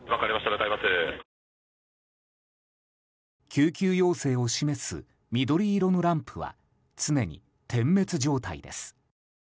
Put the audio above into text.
救急要請を示す緑色のランプは常に点滅状態です。